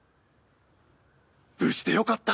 無事でよかった。